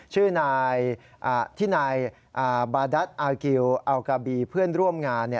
ชื่อนายที่นายบาดัสอากิลอัลกาบีเพื่อนร่วมงาน